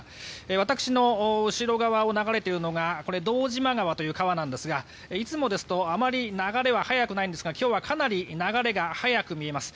私の後ろ側を流れているのが堂島川という川なんですがいつもですとあまり流れは速くないんですが今日はかなり流れが速く見えます。